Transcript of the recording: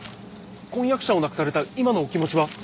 婚約者を亡くされた今のお気持ちは？